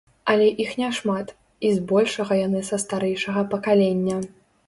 Але іх няшмат, і збольшага яны са старэйшага пакалення.